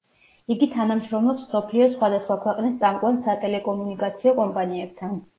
იგი თანამშრომლობს მსოფლიოს სხვადასხვა ქვეყნის წამყვან სატელეკომუნიკაციო კომპანიებთან.